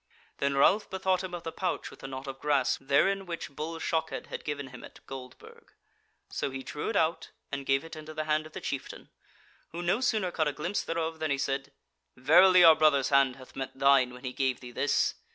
Then Ralph bethought him of the pouch with the knot of grass therein which Bull Shockhead had given him at Goldburg; so he drew it out, and gave it into the hand of the chieftain, who no sooner caught a glimpse thereof than he said: "Verily our brother's hand hath met thine when he gave thee this.